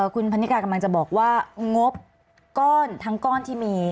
คุณพันนิกากำลังจะบอกว่างบก้อนทั้งก้อนที่มี